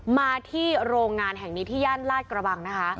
มาที่โรงงานแห่งนี้ที่ย่านลาดกระบังนะคะ